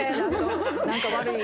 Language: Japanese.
何か悪い。